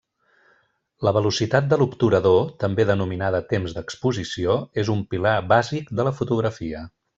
La velocitat de l’obturador, també denominada temps d’exposició, és un pilar bàsic de la fotografia.